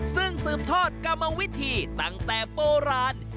ซึ่งสืบทอดกรรมวิธีตั้งแต่โบราณ